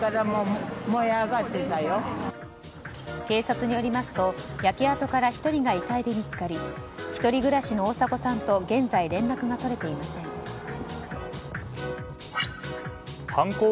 警察によりますと焼け跡から１人が遺体で見つかり１人暮らしの大迫さんと現在、連絡が取れていません。